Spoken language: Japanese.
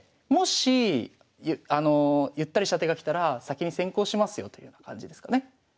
もしゆったりした手がきたら先に先攻しますよという感じですかね。